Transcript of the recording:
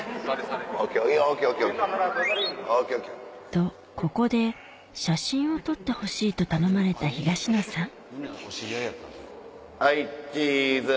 とここで写真を撮ってほしいと頼まれた東野さんはいチーズ。